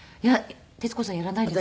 徹子さんやらないですか？